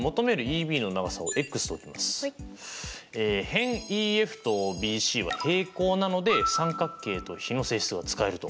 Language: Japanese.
辺ＥＦとＢＣは平行なので三角形と比の性質が使えると。